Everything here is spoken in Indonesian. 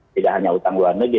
tidak hanya utang luar negeri